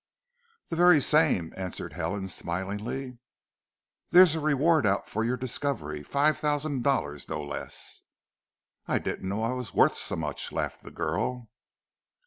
"The very same," answered Helen smilingly. "There's a reward out for your discovery five thousand dollars, no less." "I didn't know I was worth so much," laughed the girl.